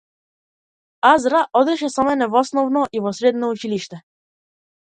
Азра одеше со мене во основно и во средно училиште.